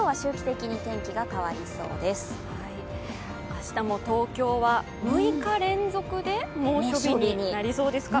明日も東京は６日連続で猛暑日になりそうです。